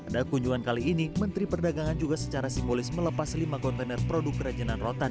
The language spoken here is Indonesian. pada kunjungan kali ini menteri perdagangan juga secara simbolis melepas lima kontainer produk kerajinan rotan